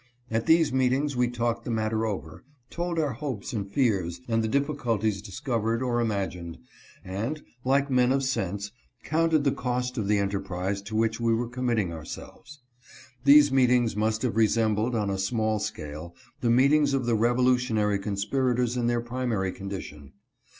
At these meetings we talked the matter over, told our hopes and fears, and the difficulties discovered or imagined ; and, like men of sense, counted the cost of the enterprise to which we were committing ourselves. These meetings must have resembled, on a small scale, the meetings of the revolutionary conspirators in their primary condition.